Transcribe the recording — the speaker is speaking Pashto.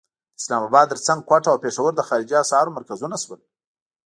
د اسلام اباد تر څنګ کوټه او پېښور د خارجي اسعارو مرکزونه شول.